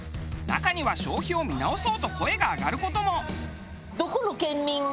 中には消費を見直そうと声が上がる事も。